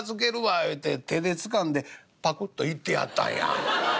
言うて手でつかんでぱくっといってやったんや。